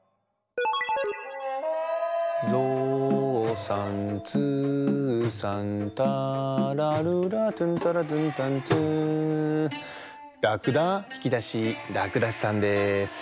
ぞうさんずうさんターラルラトゥンタラトゥンタントゥーらくだひきだしらくだしさんです。